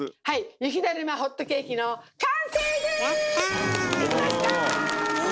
雪だるまホットケーキの完成です！